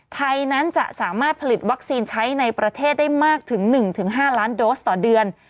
ไทยนั้นจะสามารถผลิตวัคซีนใช้ในประเทศได้มากถึง๑๕ล้านโดสต่อเดือน